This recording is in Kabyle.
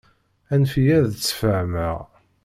Anef-iyi ad d-sfehmeɣ.